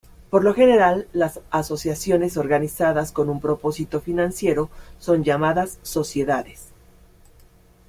Por lo general las asociaciones organizadas con un propósito financiero son llamadas sociedades.